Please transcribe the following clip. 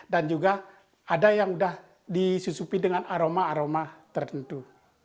dan juga ada yang sudah disusupi dengan aroma aroma tertentu